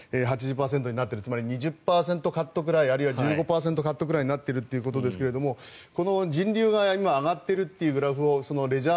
つまり２０％カットくらいあるいは１５％カットくらいになっているということですがこの人流が上がっているというグラフをレジャー